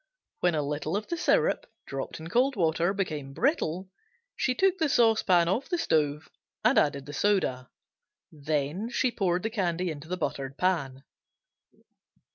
When a little of the syrup, dropped in cold water, became brittle, she took the saucepan off the stove, and added the soda; then she poured the candy into the buttered pan.